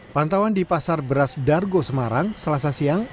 pantauan di pasar beras dargo semarang selasa siang